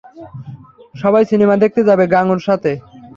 সবাই সিনেমা দেখতে যাবে, গাঙুর সাথে।